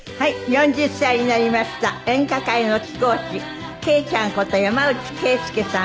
４０歳になりました演歌界の貴公子惠ちゃんこと山内惠介さん。